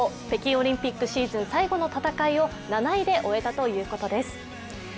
北京オリンピックシーズン最後の戦いを７位で終えたということです。